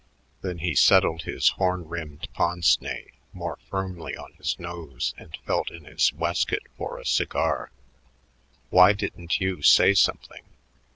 Then he settled his horn rimmed pince nez more firmly on his nose and felt in his waistcoat for a cigar. Why didn't Hugh say something?